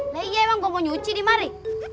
nah iya emang gue mau nyuci di mari